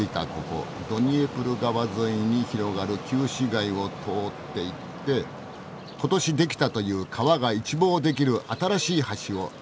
ドニエプル川沿いに広がる旧市街を通っていって今年出来たという川が一望できる新しい橋を目指して行ってみよう。